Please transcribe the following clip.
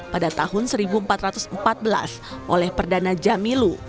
pada tahun seribu empat ratus empat belas oleh perdana jamilu